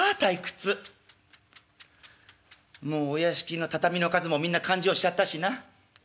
もうお屋敷の畳の数もみんな勘定しちゃったしな。